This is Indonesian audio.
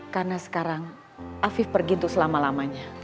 karena sekarang afif pergi tuh selama lamanya